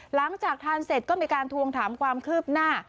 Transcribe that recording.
หลังจากทานเสร็จก็มีการทวงถามความคืบหน้า